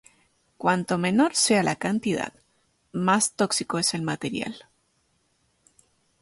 Cuanto menor sea la cantidad, más tóxico es el material.